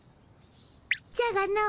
じゃがの。